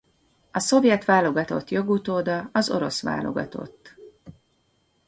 A szovjet válogatott jogutóda az orosz válogatott.